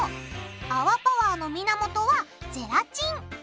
あわパワーの源はゼラチン！